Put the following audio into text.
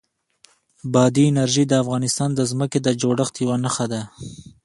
بادي انرژي د افغانستان د ځمکې د جوړښت یوه نښه ده.